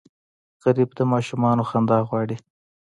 غریب د ماشومانو خندا غواړي